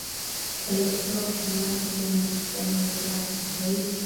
walitakiwa kupambana dhidi ya mateso ya umoja wa mataifa